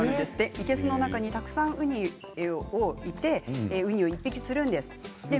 生けすの中にたくさんウニがいてウニを１匹釣るんです。